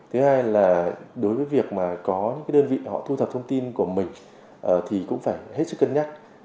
thứ hai là đối với việc mà có những đơn vị họ thu thập thông tin của mình thì cũng phải hết sức cân nhắc